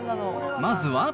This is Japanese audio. まずは。